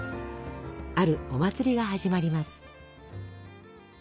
あるお祭りが始まります。